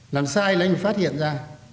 làm sai là anh phát hiện ra